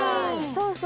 そうそう。